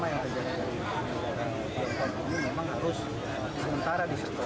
bahaya mencerjah dan sebagainya